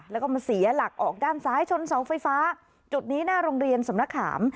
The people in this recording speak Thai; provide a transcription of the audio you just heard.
แล้วก็มาเสียหลักออกด้านซ้ายชนเสาไฟฟ้าจุดนี้หน้าโรงเรียนสำนักขาม